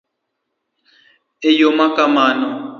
E yo ma kamano